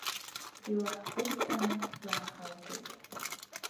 Илаҳгәыдҵаны иааҳалгоит.